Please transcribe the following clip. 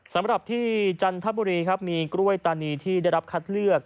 สำหรับที่จันทบุรีครับมีกล้วยตานีที่ได้รับคัดเลือก